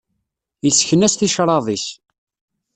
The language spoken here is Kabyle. Yessken-as ticraḍ-is.